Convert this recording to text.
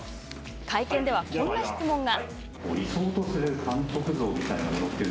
会見ではこんな質問が。